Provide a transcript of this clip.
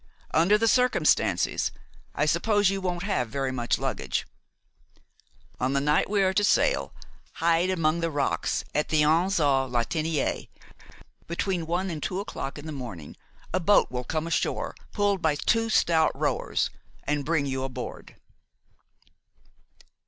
Under the circumstances I suppose you won't have very much luggage; on the night we are to sail, hide among the rocks at the Anse aux Lataniers; between one and two o'clock in the morning a boat will come ashore pulled by two stout rowers, and bring you aboard."